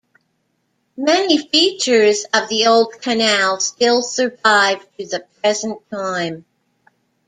Many features of the old canal still survive to the present time.